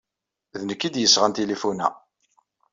D nekk ay d-yesɣan tinfulin-a.